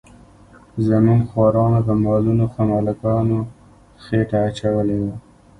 زموږ خوارانو په مالونو خو ملکانو خېټه اچولې ده.